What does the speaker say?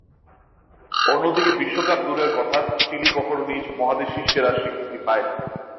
অন্যদিকে বিশ্বকাপ দূরের কথা, চিলি কখনো নিজ মহাদেশেই সেরার স্বীকৃতি পায়নি।